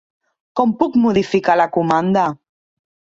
Com puc modificar la comanda?